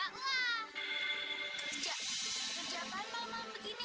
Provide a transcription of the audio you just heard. kerja apaan mama begini